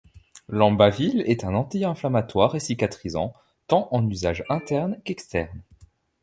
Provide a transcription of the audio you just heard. L'ambaville est un anti-inflammatoire et cicatrisant, tant en usage interne qu'externe.